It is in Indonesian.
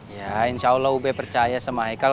ya insya allah ube percaya sama haikal